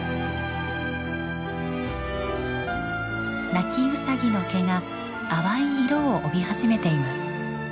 ナキウサギの毛が淡い色を帯び始めています。